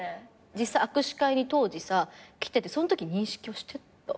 実際握手会に当時さ来ててそのとき認識はしてた？